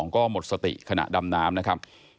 ก็หมดสติขณะดำน้ำนะครับ